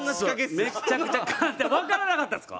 わかんなかったんですか？